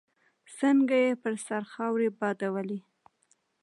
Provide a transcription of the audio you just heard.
څنګه يې پر سر خاورې بادولې.